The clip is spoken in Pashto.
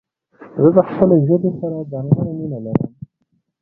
زه د خپلي ژبي سره ځانګړي مينه لرم.